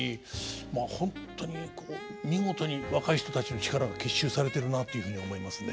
まあ本当にこう見事に若い人たちの力が結集されてるなというふうに思いますね。